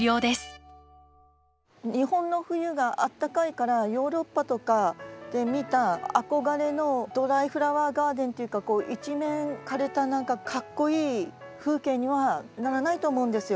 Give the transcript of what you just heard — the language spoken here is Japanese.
日本の冬があったかいからヨーロッパとかで見た憧れのドライフラワーガーデンっていうか一面枯れた何かかっこいい風景にはならないと思うんですよ。